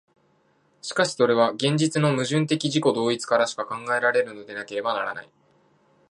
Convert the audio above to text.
しかしそれは現実の矛盾的自己同一からしか考えられるのでなければならない。